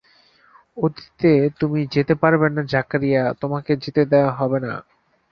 অতীতে তুমি যেতে পারবে না জাকারিয়া, তোমাকে যেতে দেয়া হবে না।